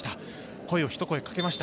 声を一声掛けました。